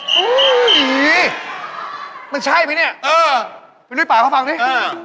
โอ้โฮมันใช่ไหมเนี่ยมันด้วยปากเข้าฟังด้วย